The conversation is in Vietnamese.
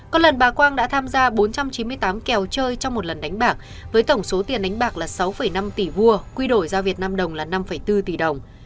có lần bà quang đã tham gia bốn trăm chín mươi tám kèo chơi trong một lần đánh bạc với tổng số tiền đánh bạc là sáu năm tỷ vua quy đổi ra việt nam đồng là năm bốn tỷ đồng